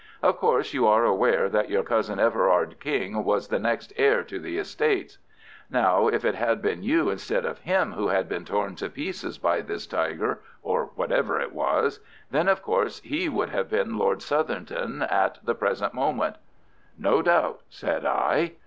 "Of course, you are aware that your cousin Everard King was the next heir to the estates. Now, if it had been you instead of him who had been torn to pieces by this tiger, or whatever it was, then of course he would have been Lord Southerton at the present moment." "No doubt," said I.